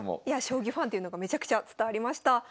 いや将棋ファンっていうのがめちゃくちゃ伝わりました。